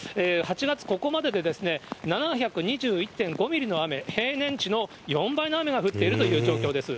８月ここまでで７２１．５ミリの雨、平年値の４倍の雨が降っているという状況です。